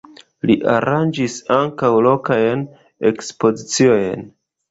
Li aranĝis ankaŭ lokajn ekspoziciojn.